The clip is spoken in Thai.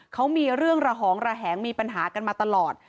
เขามีเรื่องระหองระแหงมีปัญหากันมาตลอด